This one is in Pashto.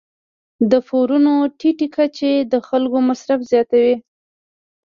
د پورونو ټیټې کچې د خلکو مصرف زیاتوي.